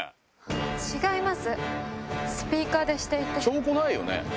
証拠ないよね？